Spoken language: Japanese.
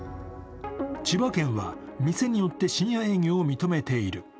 千葉県は店によって深夜営業を認めている。